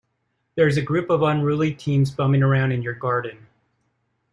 There's a group of unruly teens bumming around in your garden.